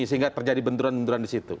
sehingga terjadi benduran benduran disitu